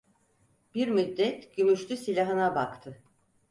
Bir müddet gümüşlü silahına baktı.